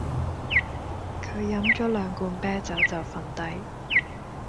佢飲咗兩罐啤酒就瞓低